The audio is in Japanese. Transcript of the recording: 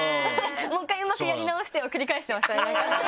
もう一回うまくやり直してを繰り返してましたねなんか。